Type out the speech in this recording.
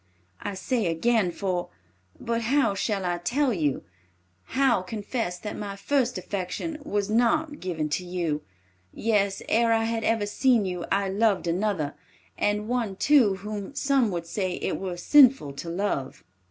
I say again, for—but how shall I tell you? How confess that my first affection was not given to you? Yes, ere I had ever seen you, I loved another, and one, too, whom some would say it were sinful to love.